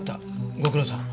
ご苦労さん。